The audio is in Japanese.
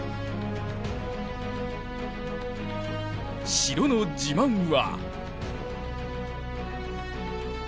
城の自慢は。